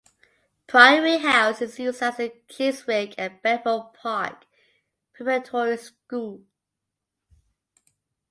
Priory House is used as the Chiswick and Bedford Park Preparatory School.